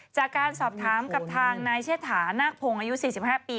จากการสอบถามกับทางนายเชษฐานาคพงศ์อายุ๔๕ปี